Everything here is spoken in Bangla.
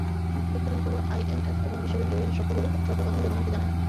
দুঃখজনক হলো, আইএমএফ এবং বিশ্বব্যাংকের ঋণের শর্তগুলো সরকার কখনো জনগণকে জানায় না।